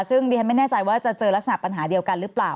ซึ่งดิฉันไม่แน่ใจว่าจะเจอลักษณะปัญหาเดียวกันหรือเปล่า